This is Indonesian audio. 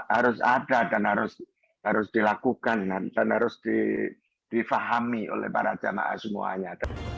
harus ada dan harus dilakukan dan harus difahami oleh para jamaah semuanya